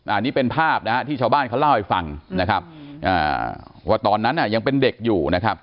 อันนี้เป็นภาพที่ชาวบ้านเขาเล่าให้ฟังว่าตอนนั้นยังเป็นเด็กอยู่